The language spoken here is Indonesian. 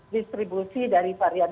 distribusi dari varian